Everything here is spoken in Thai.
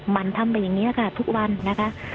มันทำแบบนี้ค่ะทุกวันนะคะ